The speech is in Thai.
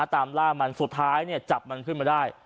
ตามล่ามันสุดท้ายจับมันขึ้นมาได้